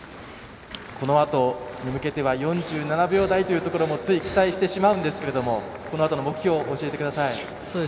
このあとに向けては４７秒台ということもつい期待してしまうんですけれどこのあとの目標、教えてください。